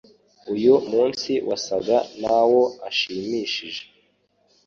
uyu munsi wasaga nawo ashimishije